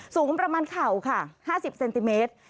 สูงประมาณเข่าค่ะ๕๐เซนติเมตร